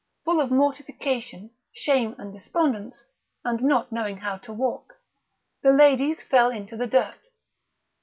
Full of mortification, shame, and despondence, and not knowing how to walk, the ladies fell into the dirt.